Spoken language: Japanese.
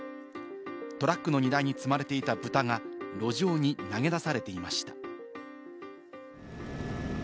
トラックの荷台に積まれていた豚が路上に投げ出されていました。